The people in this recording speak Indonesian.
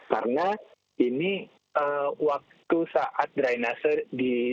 karena ini waktu saat dry nasi